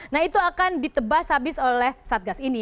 nah itu akan ditebas habis oleh satgas ini